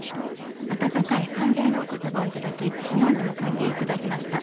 温かい歓迎のおことばを頂き、日本でも歓迎していただきました。